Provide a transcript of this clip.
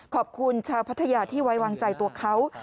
ขอบคุณชาวพัทยาที่ไว้วางใจตัวเขา